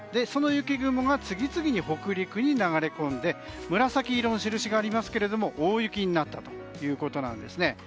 その雪雲が次々に北陸に流れ込んで紫色の印がありますけど大雪になったということなんですね。